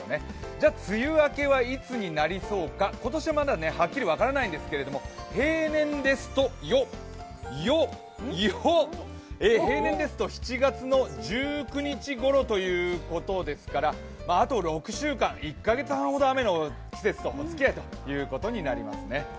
じゃあ梅雨明けはいつになりそうか、今年はまだ、はっきり分からないんですけれども、平年ですと７月１９日ごろということですからあと６週間、１か月半ほど雨の季節とおつきあいということになりそうですね。